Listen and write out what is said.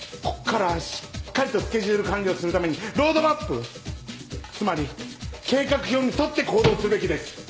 ここからはしっかりとスケジュール管理をするためにロードマップつまり計画表に沿って行動すべきです。